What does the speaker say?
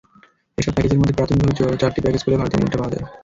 এসব প্যাকেজের মধ্যে প্রাথমিকভাবে চারটি প্যাকেজ খুলে ভারতীয় মুদ্রা পাওয়া যায়।